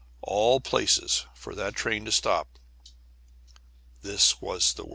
Of all places for that train to stop, this was the worst.